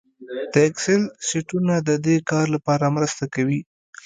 د اکسل شیټونه د دې کار لپاره مرسته کوي